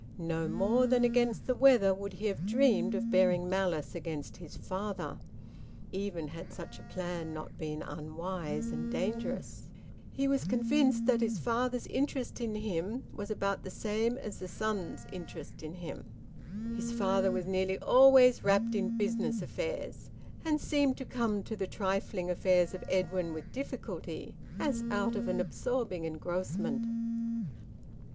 No more than against the weather would he have dreamed of bearing malice against his father, even had such a plan not been unwise and dangerous. He was convinced that his father's interest in him was about the same as the sun's interest in him. His father was nearly always wrapped in business affairs, and seemed to come to the trifling affairs of Edwin with difficulty, as out of an absorbing engrossment.